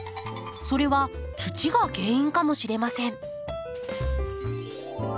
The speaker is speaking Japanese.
それは土が原因かもしれません。